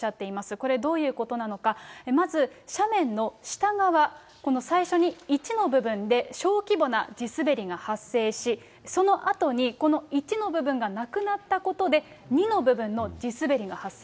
これどういうことなのか、まず斜面の下側、この最初に１の部分で小規模な地滑りが発生し、そのあとに、この１の部分がなくなったことで、２の部分の地滑りが発生。